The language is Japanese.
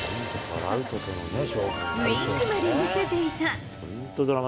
ウインクまで見せていた。